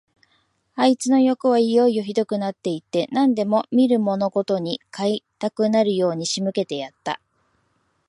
あいつのよくはいよいよひどくなって行って、何でも見るものごとに買いたくなるように仕向けてやった。